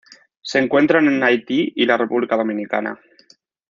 Se encuentran en Haití y la República Dominicana.